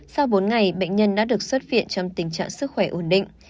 sau bốn ngày bệnh nhân đã được xuất viện trong tình trạng sức khỏe ổn định